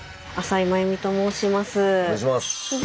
お願いします。